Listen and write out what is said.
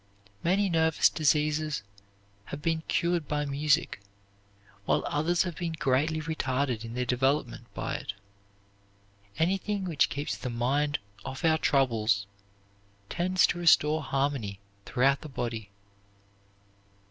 Many nervous diseases have been cured by music, while others have been greatly retarded in their development by it. Anything which keeps the mind off our troubles tends to restore harmony throughout the body.